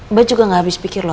mbak juga gak habis pikir loh